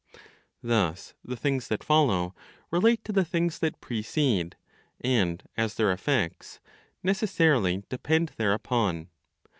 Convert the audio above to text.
Thus the things that follow relate to the things that precede, and, as their effects, necessarily depend thereupon.